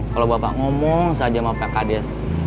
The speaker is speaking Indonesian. kalau bapak ngomong saya sama pak kades